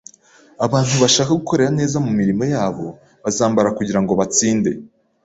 Abantu bashaka gukora neza mumirimo yabo bazambara kugirango batsinde.